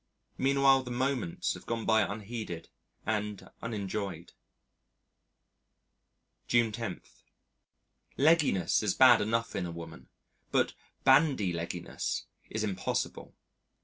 Meanwhile, the moments have gone by unheeded and unenjoyed. June 10. Legginess is bad enough in a woman, but bandy legginess is impossible.